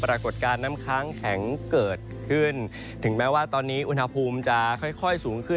ปรากฏการณ์น้ำค้างแข็งเกิดขึ้นถึงแม้ว่าตอนนี้อุณหภูมิจะค่อยสูงขึ้น